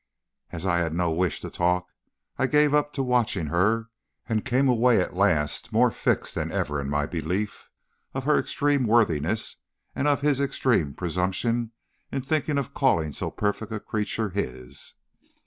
As I had no wish to talk, I gave myself up to watching her, and came away at last more fixed than ever in my belief of her extreme worthiness and of his extreme presumption in thinking of calling so perfect a creature his.